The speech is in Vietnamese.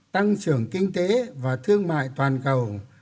tăng trưởng kinh tế và thương mại toàn cầu